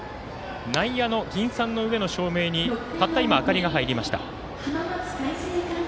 内野の銀傘の上の照明にたった今、明かりが入りました。